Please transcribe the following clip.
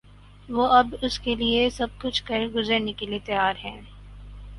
وہ اب اس کے لیے سب کچھ کر گزرنے کے لیے تیار ہیں۔